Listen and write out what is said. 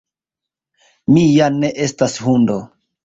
Mi ja ne estas hundo!